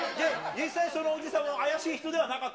実際、そのおじさんは怪しい人ではなかった？